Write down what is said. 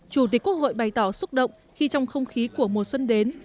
chủ tịch quốc hội bày tỏ xúc động khi trong không khí của mùa xuân đến